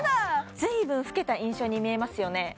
ずいぶん老けた印象に見えますよね